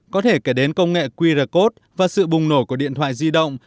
có thể kể đến công nghệ qr code và sự bùng nổ của điện thoại di động